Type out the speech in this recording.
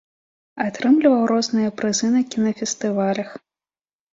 Атрымліваў розныя прызы на кінафестывалях.